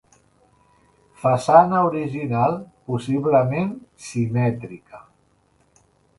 Façana original possiblement simètrica.